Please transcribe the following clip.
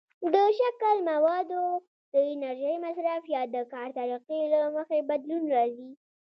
د شکل، موادو، د انرژۍ مصرف، یا د کار طریقې له مخې بدلون راځي.